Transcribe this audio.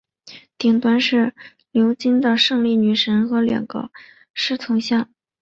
顶端是鎏金的胜利女神和两个侍从像。